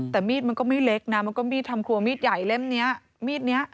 แต่มีดมันก็ไม่เล็กนะมันก็มีดทำครัวมีดใหญ่เล่มนี้มีดเนี้ย